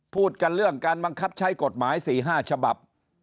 พูดกันเรื่องการบังคับใช้กฎหมาย๔๕ฉบับ